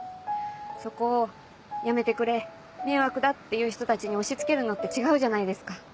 そこを「やめてくれ迷惑だ」って言う人たちに押し付けるのって違うじゃないですか。